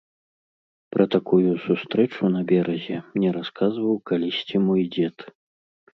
Пра такую сустрэчу на беразе мне расказваў калісьці мой дзед.